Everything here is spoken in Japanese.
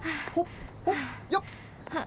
よっ！